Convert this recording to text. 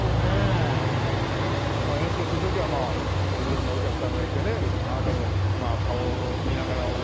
演奏する時は色んなお客さんがいてねあなたの顔を見ながら音を聴いたりね